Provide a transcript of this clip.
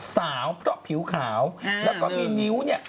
สาวเพราะผิวขาวแล้วก็มีนิ้วเนี่ย